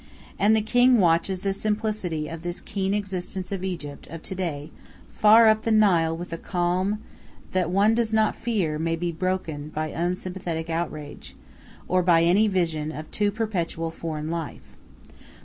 And the king watches the simplicity of this keen existence of Egypt of to day far up the Nile with a calm that one does not fear may be broken by unsympathetic outrage, or by any vision of too perpetual foreign life.